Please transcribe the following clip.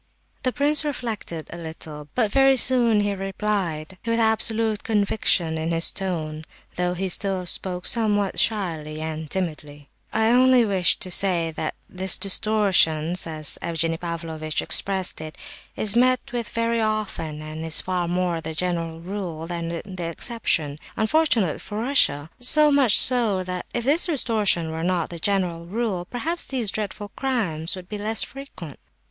The prince reflected a little, but very soon he replied, with absolute conviction in his tone, though he still spoke somewhat shyly and timidly: "I only wished to say that this 'distortion,' as Evgenie Pavlovitch expressed it, is met with very often, and is far more the general rule than the exception, unfortunately for Russia. So much so, that if this distortion were not the general rule, perhaps these dreadful crimes would be less frequent."